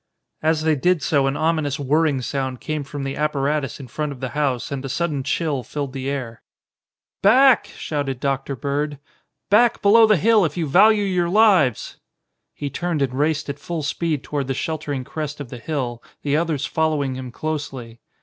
As they did so an ominous whirring sound came from the apparatus in front of the house and a sudden chill filled the air. "Back!" shouted Dr. Bird. "Back below the hill if you value your lives!" He turned and raced at full speed toward the sheltering crest of the hill, the others following him closely.